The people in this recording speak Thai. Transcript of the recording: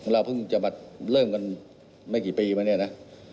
เราเพิ่งจะมาเริ่มกันไม่กี่ปีมาเนี่ยนะ